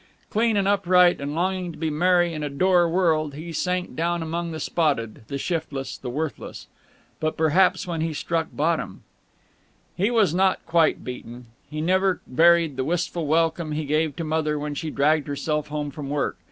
Clean and upright and longing to be merry in a dour world, he sank down among the spotted, the shiftless, the worthless. But perhaps when he struck bottom He was not quite beaten. He never varied in the wistful welcome he gave to Mother when she dragged herself home from work.